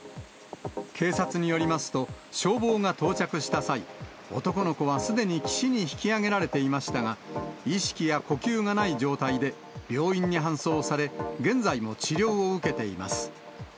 警察によりますと、消防が到着した際、男の子はすでに岸に引き上げられていましたが、意識や呼吸がない状態で病院に搬送され、現在も治療を受けています。